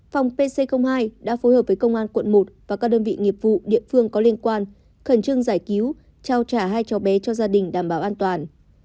phòng pc hai đã phối hợp với công an quận một và các đơn vị nghiệp vụ địa phương có liên quan khẩn trương giải cứu trao trả hai cháu bé cho gia đình đảm bảo an toàn